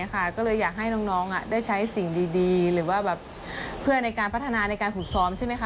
ก็เลยอยากให้น้องได้ใช้สิ่งดีหรือว่าเพื่อในการพัฒนาในการฝึกซ้อมใช่ไหมคะ